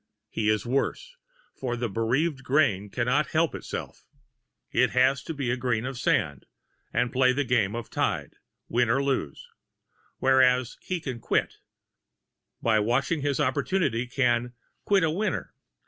He is worse, for the bereaved grain cannot help itself; it has to be a grain of sand and play the game of tide, win or lose; whereas he can quit by watching his opportunity can "quit a winner."